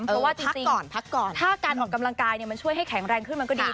เพราะว่าจริงถ้าการออกกำลังกายมันช่วยให้แข็งแรงขึ้นมันก็ดี